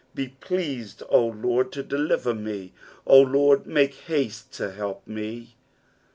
13 Be pleased, O Lord, to deliver me : O LORD, make haste to help me.